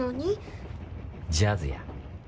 ジャズや。